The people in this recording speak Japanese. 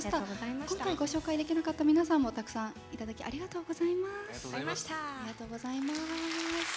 今回ご紹介できなかった皆さんもたくさんいただきありがとうございます。